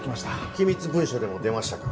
機密文書でも出ましたか？